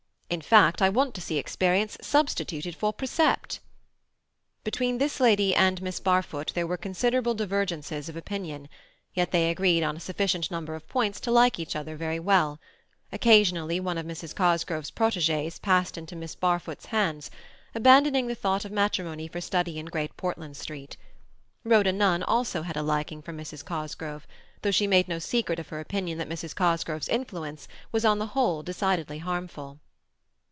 In fact, I want to see experience substituted for precept." Between this lady and Miss Barfoot there were considerable divergences of opinion, yet they agreed on a sufficient number of points to like each other very well. Occasionally one of Mrs. Cosgrove's protegees passed into Miss Barfoot's hands, abandoning the thought of matrimony for study in Great Portland Street. Rhoda Nunn, also, had a liking for Mrs. Cosgrove, though she made no secret of her opinion that Mrs. Cosgrove's influence was on the whole decidedly harmful.